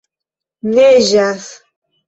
Neĝas.